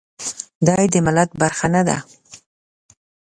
دای د ملت برخه نه ده.